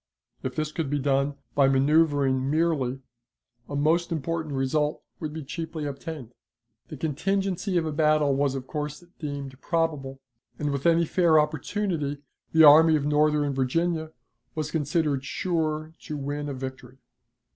If this could be done by manoeuvering merely, a most important result would be cheaply obtained. The contingency of a battle was of course deemed probable, and, with any fair opportunity, the Army of Northern Virginia was considered sure to win a victory.